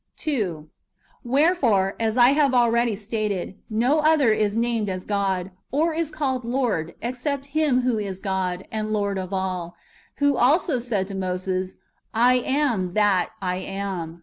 ^ 2. Wherefore, as I have ah eady stated, no other is named as God, or is called Lord, except Him who is God and Lord of all, who also said to Moses, " I am that I am.